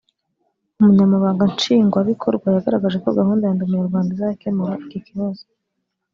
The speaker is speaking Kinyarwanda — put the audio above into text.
Umunyamabanga Nshingwabikorwa yagaragaje ko gahunda ya Ndi Umunyarwanda izakemura iki kibazo